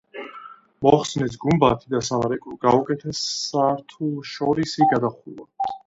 მოხსნეს გუმბათი და სამრეკლო, გაუკეთეს სართულშორისი გადახურვა.